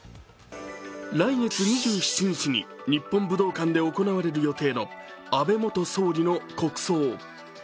来月２７日に日本武道館で行われる予定の安倍元総理の国葬。